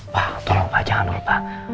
wah tolong pak jangan lupa